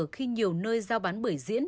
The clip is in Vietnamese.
khi nhiều nơi giao bán bưởi diễn